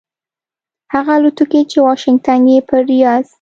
هغه الوتکې چې واشنګټن یې پر ریاض